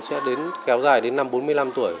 sẽ kéo dài đến năm bốn mươi năm tuổi